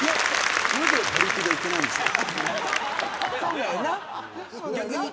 なぜ、パリピがいけないんでしょうか。